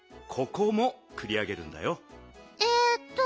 えっと